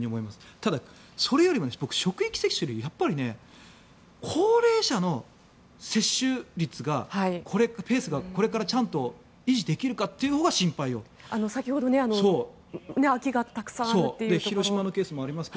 ただ、それよりも職域接種でやっぱり高齢者の接種率がペースがこれからちゃんと維持できるかというほうが先ほど、空きがたくさんあるというのもありましたが。